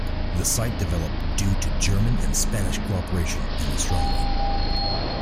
The site developed due German and Spanish cooperation in astronomy.